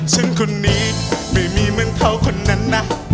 ซึ่งคนนี้ไม่มีเหมือนเขาคนนั้นนะ